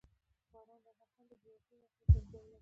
باران د افغانستان د جغرافیایي موقیعت یوه پایله ده.